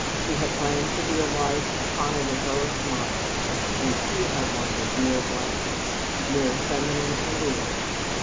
She had planned to be a wife upon an heroic model, and he had wanted mere blitheness, mere feminine allure.